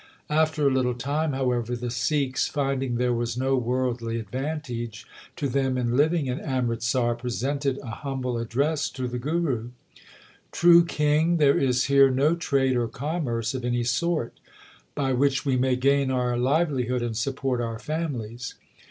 After a little time, however, the Sikhs finding there was no worldly advantage to them in living in Amritsar presented a humble address to the Guru : True king, there is here no trade or commerce of any sort, by which we may gain our livelihood and support our families.